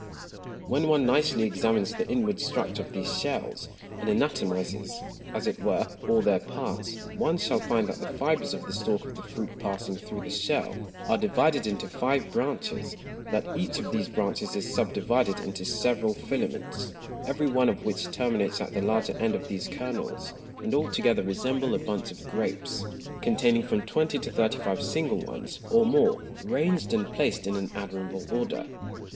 When one nicely examines the inward Structure of these Shells, and anatomizes, as it were, all their Parts; one shall find that the Fibres of the Stalk of the Fruit passing through the Shell, are divided into five Branches; that each of these Branches is subdivided into several Filaments, every one of which terminates at the larger End of these Kernels, and all together resemble a Bunch of Grapes, containing from twenty to thirty five single ones, or more, ranged and placed in an admirable Order.